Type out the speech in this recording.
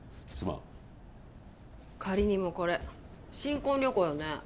すまん仮にもこれ新婚旅行よね？